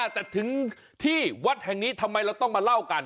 แต่ถึงที่วัดแห่งนี้ทำไมเราต้องมาเล่ากัน